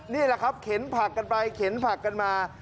นี่แหละครับเข็นผักกันไปเข็นผักกันมา